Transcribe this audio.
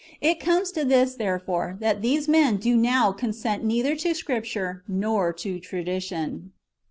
It comes to this, therefore, that these men do now consent neither to Scripture nor to tradition.